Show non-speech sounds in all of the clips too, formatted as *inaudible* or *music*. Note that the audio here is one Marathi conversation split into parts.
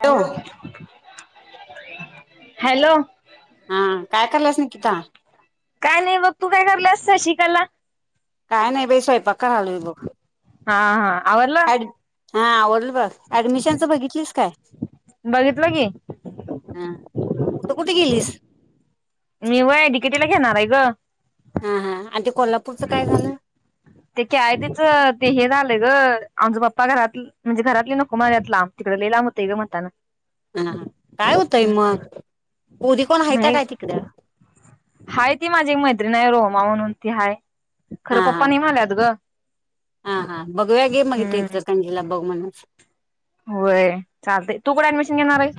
हॅलो हॅलो हा काय करालियास निकीता? काय नाही बघ तू काय करलियास साशिकला? काय नाही बाई स्वयंपाक करालोय बघ‌. हा हा आवरलं. हा आवरल बघ ऍडमिशनच बघितलीस काय? बघितलं की हा कुठं कुठं गेलीस? मी व्हंय डिकेटीला घेणार आहे गं हा हा आणि ते कोल्हापूरच काय झालं? *inaudible* ते के. आय. टीच ते हे झालं गं आमचा पप्पा घरात म्हणजे घरातली नको म्हणाल्यात लांब तिकडं लय लांब हुतय गं म्हनताना हा काय होतंय मग? पोरी कोण हयता नाही काय तिकडं? हाय ती माझी एक मैत्रीण आहे रोमा म्हणून ती हाय खरं हा हा पप्पा नाही म्हल्यात गं हा हा बघुया घे मग इथंच इचलकरंजीला बघ मनस होय चालतेय तू कुठ ऍडमिशन घेणार आहेस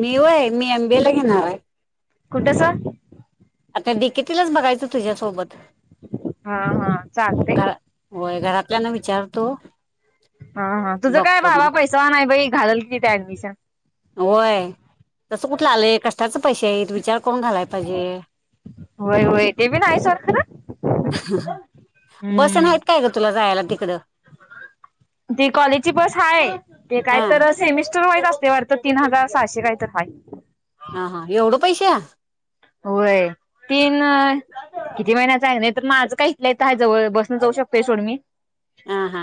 मी व्हयं मी एमबीए ला घेणार आहे. कुठं सांग आता डि. के. टीलाच बघायचं तुझ्यासोबत. हा हा चालतय. घरा होय घरातल्याना विचारतो. हा हा तुझं काय बघतो बाबा मग पैसावान हाय बाई घालल की इथ ऍडमिशन. होय तसं कुठलं आलंय कष्टाच पैसे आहेत विचार करून घालाय पाहिजे. होय होय ते बीन हाय सोड खरं. बस तेन आहेत हम्म काय गं तुला जायाला तिकडं? ती कॉलेजची बस आहे ते काय हा तरच सेमिस्टर वाईज असतय वाटत तीन हजार सहाशे काय तर हाय हा हा एवढं पैशे? होय तीन किती महिन्याच आहे नाही तर माझं काय इथल्या इथं आहे जवळ बसन जाऊ शकतोय सोड मी हा हा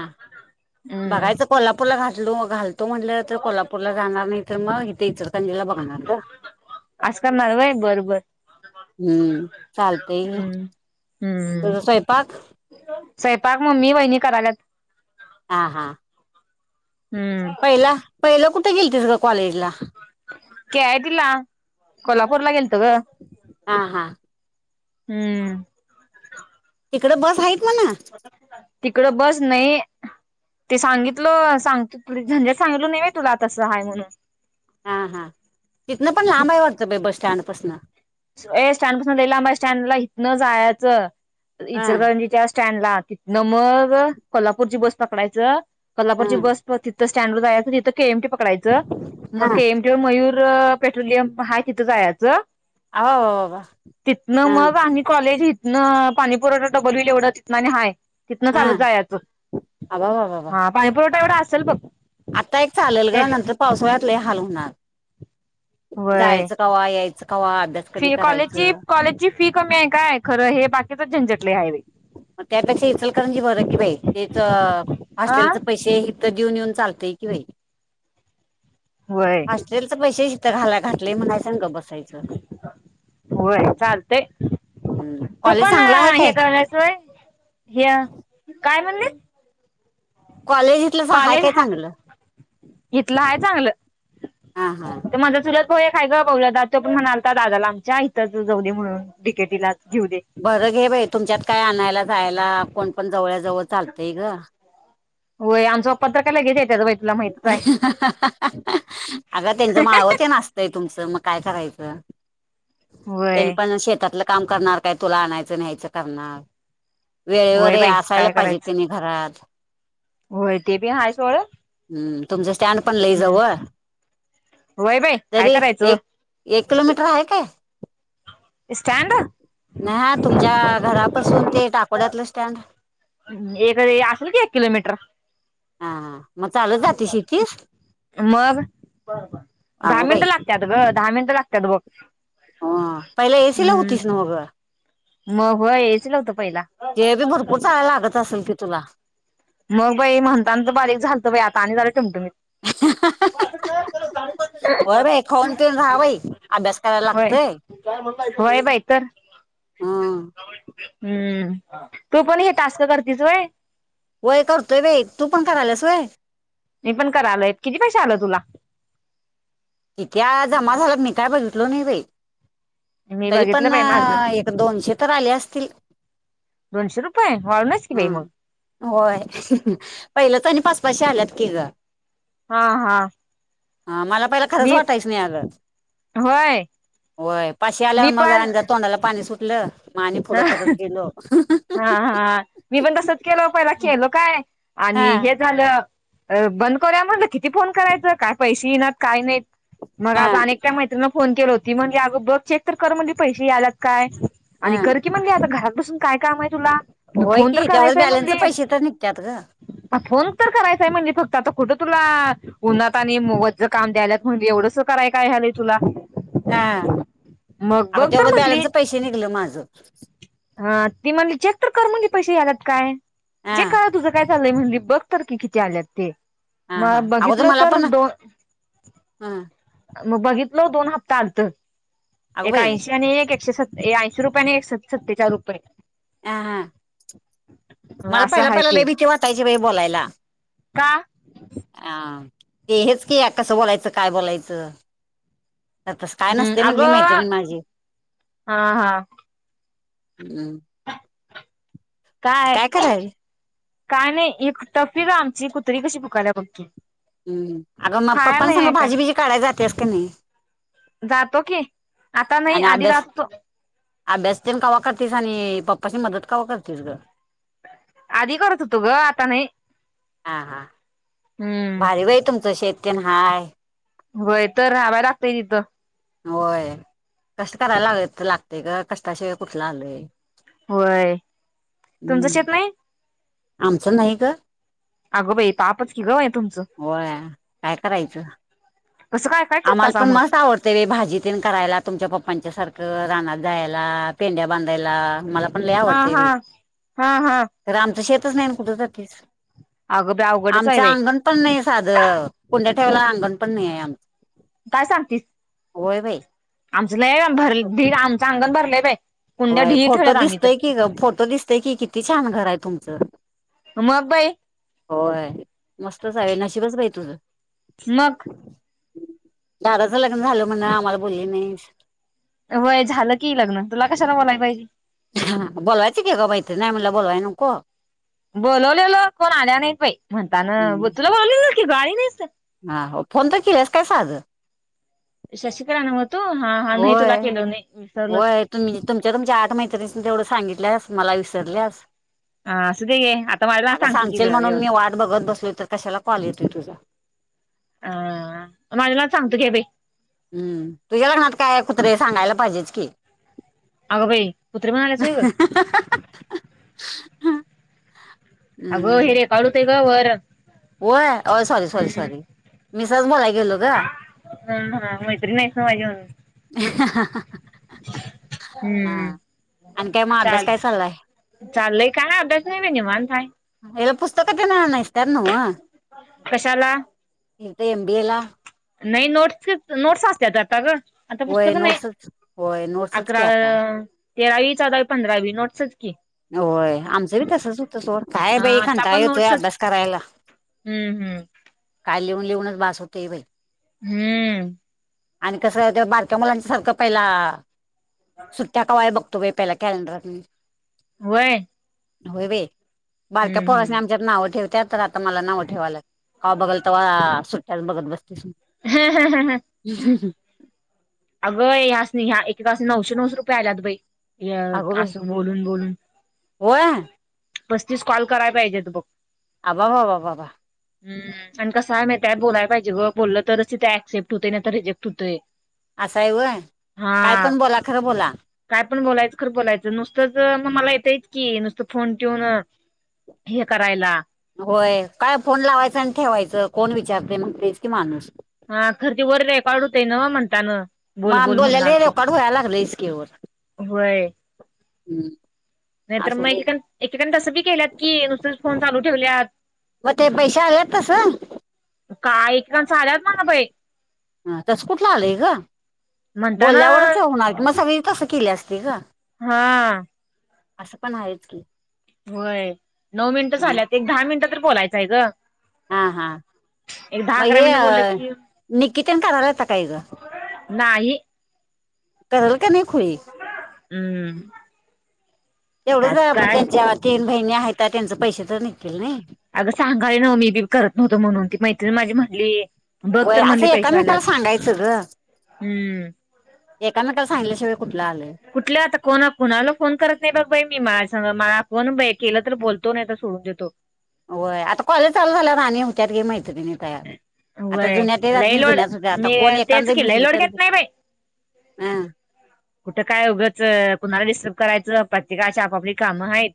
हम्म. बघायचं कोल्हापूरला घातलो घालतो म्हटलं तर कोल्हापूरला जाणार नाही तर मग हीथ इचलकरंजी ला बघणार गं. अस करनार व्हय बर बर हम्म चालतंय घे हम्म हम्म. तुझं स्वयंपाक? स्वयंपाक मम्मी वहिणी कराल्यात हा हा पहिला पहिलं कुठे गेलतीस गं कॉलेजला? के. आय. टीला कोल्हापूरला गेलतो गं. हा हा. हम्म! तिकडं बस आहेत म्हण. तिकड बस नाही. ते सांगितलं सांगतो झंझट सांगितलो नाय व्हय तुला तसं आहेय म्हणून. हा हा तिथनं पण लांब आहे वाटतं बस स्टँडपासन. ए स्टँड पासून लय लांब स्टँडला इथंन जायचं. हा इचरकरंजीच्या स्टँडला न मग, कोल्हापूरची बस पकडायचं, हा कोल्हापूरची बस तिथऽ स्टँडवर जायचं, तिथं केएमटी पकडयचं, मग हा केमटीऽ किंवा मयूर पेट्रोलियम हाय तिथं जायचं. अ वाबाबाऽ तिथनं मग, आणि कॉलेज इथनं पाणी पुरवठा डबल हुईल एवढं तिथन आणि हाय. तिथनं हा चालत जायचं,, अबा बाबा हा पाणी पुुरवठा एवढा असेल बघ. आता एक चालेल ग,, त्याच्या नंतर पावसाळ्यातलंय हाल होणार. वय,, जायचं कवा यायचं कवा अभ्यास कधी फी कॉलेजची, करायचं कॉलेजचीऽ फी कमी आहे काय, खरं हे बाकीचच झंझट लय हाय बाई. त्यापेक्षा इचल कारण जी बर की बाई, तेच अ हॉस्टेलचऽ पैसे इथ देऊन येऊन चालतय की बाई. होय हॉस्टेल च पैसे हीथ घाला घातलय म्हणायचं ग, आणि गप बसायचं. होय चालतय हम्,, कॉलेज चांगला आहे काय? वय,, ह्या,, काय म्हणलीस? कॉलेजऽ कॉलेज हा इथलं हाय चांगलं. हा हा तर माझं चुलत भाऊ आहे गं बोल्या दा तो पण म्हणालता दादाला आमच्या इथंच जाऊ दे म्हणून डीकेटीलाच घेऊ दे. बरं घे बाई तुमच्यात काय आणायला जायला कोण पण जवळ्याजवळ चालतंय गं. होय आमंच पप्पा तरं लगेच येत्यात व्हय. अग त्यांच माळवं तेन अस तुमच मग काय करायचं त्यांनी व्हय पण शेतात. काम करणार काय तुला आणायचं न्यायचं करणार वेळेवर व्हय बाई असायला पाहिजे की नाही. घरात. होय ते बी आहे सोडं. हम्म! तुमच स्टँड पण लई जवळ. व्हय बाई काय तरी करायचं एक एक किलोमीटर आहे काय. स्टँड नाही ह तुमच्या घरापसून ते टाकोड्यातलं स्टँड. एक असेल की एक किलोमीटर. हां हां. मग दहा अगो मिनट बाई लागत्यात. गं दहा मिनिटं लागतात बघ. ह पहिला एसी ला होतीस नव्ह गं. मगं होय एसी होतो पहिला. ते बी भरपूर चालायला लागत असेल की तुला. मग बाई म्हणताना तर बारीक झालतं बाई आता आणि झालं ठुमठुमीत. होय बाई खाऊन पिऊन राहा बाई. अभ्यास करायला होय लागतय होय बाई तर. हम्म हम्म! तू पण हे टास्क करतीस व्हय. वय करतोय बाई तू पण कराल्यास व्हय मी पण करालोय. किती पैसे आल तुला? *unintelligible* जम झाालातमी काय बघियल नाय बाई. मी तरी पण बघितलं बाई माझं एक दोनशे तर आले असतील. दोनशे रुपये वाळूनच की बाई ह मगं. होय पहिलं तर आणि पाच पाचशे आल्यात की गं. हा हा. ह मला पहि खरंच मी वाटायच नाही होय होय पाशी मी आल्यावर पण मग तोंडाला पाणी सुट लं मा आणि पुढं करत गेलो. हा हा मी पणसत केलं पहिला केेलो काय हा आणि हे. झालं बंद करया म्हणलं किती फोन करायचं काय पैसे येना काय नाही. मग हा आज अनेक त्या मैत्रिंनीला फोन केलो होती म्हणजे अगं बघ चेक तर कर म्हणाली पैसे यालात काय. हा आणि कर की म्हणजे आता घरात बसून काय काम आहे तुला. होय फोन की त्यामुळे बॅलन्सचे पैसे तर निघतात गं. हा फोन तर करायचाय म्हणजे फक्त आता कुठं तुला. उन्हात आणि ओझं काम द्यायलात म्हण एवढंस करायला व्हायलंय तुला. अह मग बघ अग तर तेवढं म्हणली बॅलन्स पैसे निघलं माझं. हा ती म्हणली चेक तर कर म्हणजे पैसे याेतात काय हा जे कळ तुझं काय य म्हणली बघ तर की किती आल्यात ते. हा हा मगं अगोदर बघितलं मला तर पण हा दोन मग बघितलं दोन हप्ता अंत अगं एक बाई ऐंशी आणि एक एकशे सत ऐंशी रुपये आणि एक सत्तेचाळी रुपये. ह हा मला असं पहिला आहे पहिल्या लय ते भीती वाटायची बाई बोलायला. का? अ ते हेच की या कसं बोलायचं काय बोलायचं. आ तस काय हम् नसते म्हटली माहित अगं माझी हा हा हम्म. काय काय नाही एक टफी का आमची कुत्री कशी फकायला बघती. हम् अगं मग पप्प सांगा भाजी बीजी काढाय जातेस का नाही. जातो की आता नाही आणि आधीच अभ्यास असतो. अभ्यास तेण कवा करतेस आणि पप्पाची मदत कवा करतेस ग. आधी करत होतो ग आता नाही. हां हां हम्म भारी वही तुमचं शेती्यन हा. होय तर राहावा लागतंय तिथं. होय कष्ट करायला लाग लागतेय का कष्टाशिवाय कुठला आलोय. होय तुमचं हम्म शेत नाही. आमचं नाही ग. अगो बाई तापच कि गव आहे तुमचं. होय काय करायचं. अससं काय. काय आम्हाला करतासा पण मग? मस् आवडत. ते भाजी तेन करायला तुमच्या पप्पांच्या सारखं रानात जायला पेंड्या बांधायला मला आपण ल हा हा आवडतय हा हा तर आमचं शेतच नाही ना कुठ तर तस. अगं बाई अवघडच आहे आमच बाई अंगण पण नाही साध कोंड्या ठेवायला अंगण पण नाही आमच काय सांगतेस. होय भाई. आमचं नाही भर भी आमचं अंगण भरले बा होय फोटो दिसतय की फोटो दिसतय की किती छान घर आहे तुमचं. म अब्बाई. होय मस्तच आहे नशशीबच भाई तुझं. ललग. दाराचं लग्न झालं म्हण आम्हाला बोलली नाही. वय झालं की लग्न तुला कशाला बलायला पाहिजे. ह बोोलवायच के का बाई ते नामला बोललावाय न को बोलवलेल कोण आल्या नाही पा म्हणता ना ब हम्म तुला बोलवलेलं की गाडी नाहीत. हा हो फोन तर केलंस काय साजं शशिकराने होतू हा हा नाही तुला केलं नाही विसरल तुम् तुमच्या तुमच्या आठ मैत्रणी तेवढं सांगितल्यास मला विसरल्यास ह असं ते गे आता मलाला अगं सांगतो कि सांगशील म्हणून ए मी वाट बघत बसल तर कशाला कॉल येतय तुझा- अ माझ्याला सांगत घ बाई हम्म तुझ्या लग्नात काय कुत्रे सांगायला पाहिजेच की अगं भाई क पुत्र म्हणणाल्याचोय ग हम अगं हे रे काढूतय ग वर य सॉरी सॉरी हम्म सॉरी मिसाच मला गेलो का हम हा म इत्री नाहीस माजेऊन ह हम्म मग अभ्यास चाल काय चाललाय चाललय का नाही अ्यास नाही म नि म्हण काय एल पुस्तक ज इतार नव कशाला बी ए ला नाही नोट्स नोट्स असत तर आता ग आता होय पुस्तक नाही नोट्सच होय नोट्सच अकरा की आता तेरावी चौदावी पंधरावी नोटच की होय आमचं बी तसच होतं सोड काय अ बाई आता खंटा पण येतोय नोट्सच अभ्यास करायला. हम्म हम्म काय लिहून लिहूनच भास होतेय बाई हम्म आणि कस ते बारक्या मुलांच्या सारखं पहिला सुट्ट्या कावाय बघ तुमही पहिला कॅलंडर वय हो वे बारक्या पोळसने हम्म आमच्यात नावं ठेव त्या तर आता मला नावं ठेवाय लाग का बघल तर सुट्ट्यात बघत बसतेस. हा हा हा हा ह हम ह अगं ह्या ह्या एकका नऊशे नऊश रुपये आल्यात बाई अगो बाई असं बोलून बोलून होय पस्तीस कॉल कराय पाहिजे बघ. आबा बा बाबा बाबा.. ह आणि कस आहे त्यात बोलाय पाहिजें बोललं तरच तिथे क्सेप्ट होतेय ना तर रिजेक्ट होतय असा आहे काय हा पण बोला खरं बोला काय पण बोलायचं खरं बोलायचं नुसतंच मग मला येतंयच की नुसतं फोन ठेऊून हे करायला होय काय फोन लावायचं आणि ठेवायचं कोण विचारते मग तेच की माणूस हा धरती वर र आहे काड होते न म्हणता न मान बोलेले र काढोया लाग रसक र होय हम् नाहीतर मग एकेक एकेकां तसं बी केल्यात की नुसर फोन चालू ठेवल्या म ते पैशा यालय तस. का एकण आल्यात म्हला पई. ह तस कुठलं आलंय ग म्हणताना बोलल्यावरच होऊणार क मग सगळी तसं केले असते का हा असं पण आहेत की. होय नऊ मिनिटं हं. झाल्यात एक दहा मिनिटं तर बोलायचंय ग. हा हा एक दहा मग अकरा हे मिनिटं बोललं की निकितन कराला होता काय ग. नाही करल कणी खुळी हम्म त्यात तेवढंच काय त्यांच्या तीन बहिणी आहेत त्यांचे पैसे तर निघतील नई अगं सांगायलोय नव्ह मी भी करत नव्हतो म्हणून ती मैत्रीण माझी म्हणली बघ होय तर म्हणली असं पैसे आल्यात एकमेकाला सांगायचं ग हम्म एका नका सांगल्याशिवाय कुठलं आलंय कुठल्या आता कोणा कोणाला फोन करत नाही बघ बाई मी मला सांग मला कोण केलं तर बोलतो नाही आ सोडून देतो. होय आता कॉलेज चाल झा आणि हुच्यात गे मैत्री त आता व्हय जुन्यात जात लई नाही लोड जुन्या सुध्या आता मी कोण एांद तेच की लई भिसली लोड तर घेत भ नाही हम. कुठे काय उघंच कुणाला डिस्टर्ब करायचं प्रत्येकाची आपापली कामं आहेत.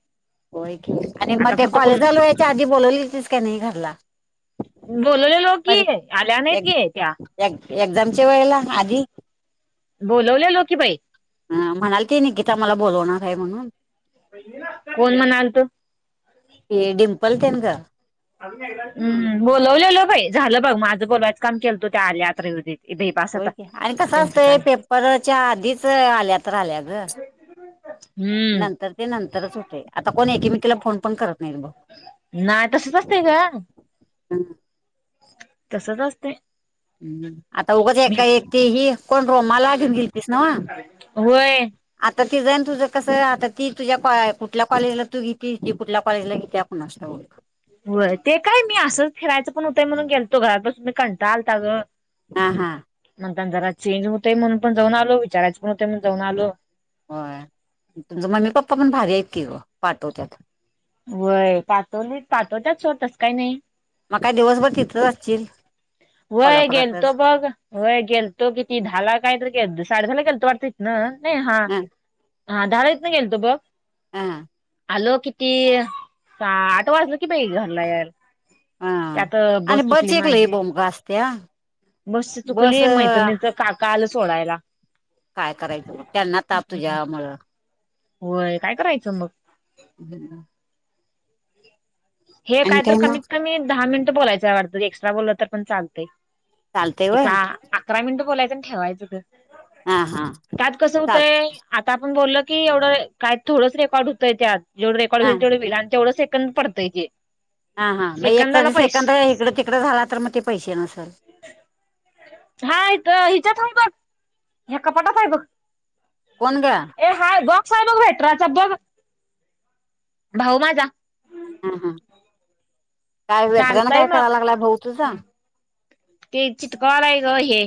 होय की आणि आता मग ते फक्त कॉलेज कोण चालू यायच्या आधी बोलावलीस का नाही घरला. बोलले लो बर एक्झामच्या वेळेला आधी बोलवलेलो की बाई. अ म्हणाल ती निकिता मला बोलवणार आहे म्हणून कोण म्हणाल तू हे डिंपल तेन का हम् बोलवलेलं भाई झालं बघ माझं बोलवायचं काम केलतो त्या आल्या अत्र उ्या हो आणि कसं असतंय पेपरच्या आधीच आल्या तर आल्या ग हम्म नंतर ते नंतरच होते आता कोण एकीमेकीला फोन पण करत नाहीत नाही तसच असतंय ग *unintelligible* तसच असतय आता उगंच एका एकी ही कोण रोमाला घेऊन गेलतीस नव्ह होय. आता तीज आणि तुझं कसं आता ती तुझ्या कुठल्या कॉलेजला तू घेतती ती कुठल्या कॉलेजला घेत्या कुणास ठाऊक होय ते काय मी असंच फिरायचं पण होतंय म्हणून गेलतो घरापासून मी कंटाळ आलता ग हा हा म्हणताना जरा चेंज होतय म्हणून पण जाऊन आलो विचारायं पण होतय म्हणून जाऊन आलो होय तुमच मम्मी पप्पा पण भारी आहेत की ग पाठवत्यात व्हय पाठवलीत पाठवत्यात सोड तसं काय नई मग काय दिवसभर तिथंच असशील व्हय गेलतो कोल्हापुरातच बघ व्हय गेलतो किती दहाला कायतरी गेलतो साडेदहाला गेलतो वाटत इथन न नाही हा ह हा दहा वाजता गेलतो बघ हां आलो किती आठ वाजलं की बाई घरला यायला ह त्यात बस चुकली माझी. त्या बस चुकली आहे मैत्रिणीच काका आलं सोडायला काय करायचं त्यांना ताप तुझ्यामुळं होय काय करायचं मग हम्. हे आणि काय तर मग कमीत कमी दहा मिनिटं बोलायचं हाय वाटत एक्स्ट्रा बोललं तर पण चालतय चालतंय एक व्हय अकरा मिनिटं बोलायचं आणि ठेवायचं ग हा हा त्यात कसं चाल होतंय आता आपण बोलल की एवढं काय थोडंच रेकॉर्ड होतय त्यात जेवढं रेकॉर्ड हा होईल तेवढं होईल तेवढं सेकंड पडतय ते हा हा मग एक सेकंदाला त सेकंद पैसे इकडं तिकडं झाला तर मग ते पैसे नसेल. हाय हिच्यातथांब बघ या कपाटात आहे बघ. कोण ग ए हय बॉक्स आहे मग भेटराचा बघग भाऊ माझा हा हा काय वेटर ना चालतंय काय मग कराव लागला भाऊ तुझा ते चिटकवा लागलाय ग हे.